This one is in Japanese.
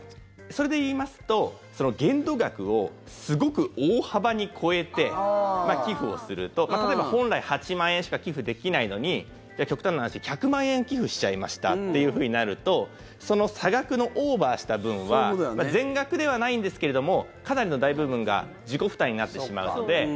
それで言いますと限度額をすごく大幅に超えて寄付をすると例えば本来８万円しか寄付できないのに、極端な話１００万円寄付しちゃいましたというふうになるとその差額のオーバーした分は全額ではないんですけれどもかなりの大部分が自己負担になってしまうので。